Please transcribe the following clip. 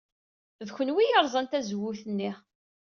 D kenwi ay yerẓan tazewwut-nni.